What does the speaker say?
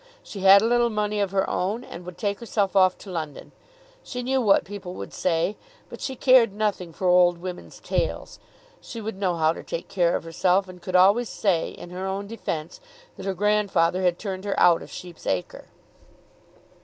She had a little money of her own, and would take herself off to London. She knew what people would say, but she cared nothing for old women's tales. She would know how to take care of herself, and could always say in her own defence that her grandfather had turned her out of Sheep's Acre.